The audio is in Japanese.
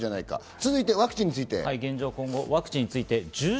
続いてワクチンについて。